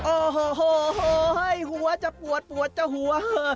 โอ้โหหัวจะปวดปวดจะหัว